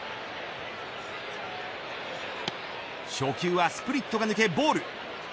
初球はスプリットが抜けボール。